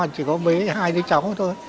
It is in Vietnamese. chỉ có bé hai đứa cháu thôi